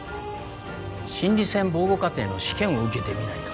心理戦防護課程の試験を受けてみないか？